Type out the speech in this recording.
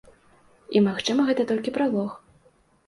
І магчыма гэта толькі пралог.